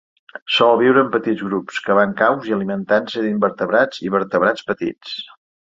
Sol viure en petits grups, cavant caus i alimentant-se d'invertebrats i vertebrats petits.